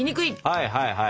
はいはいはい。